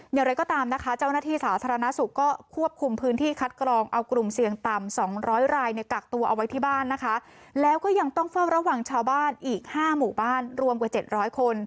อย่างไรก็ตามนะคะเจ้าหน้าที่สาธารณสุข